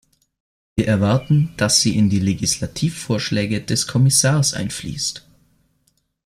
Wir erwarten, dass sie in die Legislativvorschläge des Kommissars einfließt.